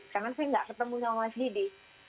karena saya nggak ketemu sama mbak didi